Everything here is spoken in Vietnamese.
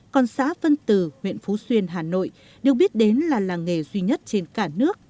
còn xã phân tử huyện phú xuyên hà nội được biết đến là làng nghề duy nhất trên cả nước